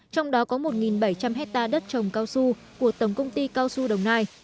trong đó có một bảy trăm linh hectare đất trồng cao su của tổng công ty cao su đồng nai